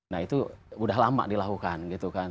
nah itu udah lama dilakukan gitu kan